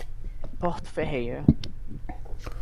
Porto Ferreira